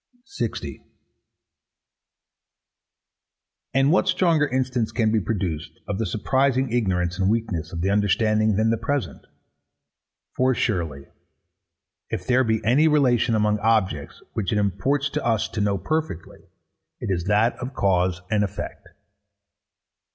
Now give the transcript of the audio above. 60. And what stronger instance can be produced of the surprising ignorance and weakness of the understanding than the present? For surely, if there be any relation among objects which it imports to us to know perfectly, it is that of cause and effect.